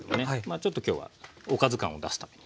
ちょっと今日はおかず感を出すためにしらたき。